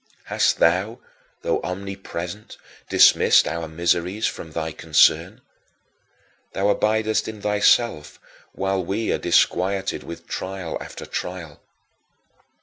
Hast thou though omnipresent dismissed our miseries from thy concern? Thou abidest in thyself while we are disquieted with trial after trial.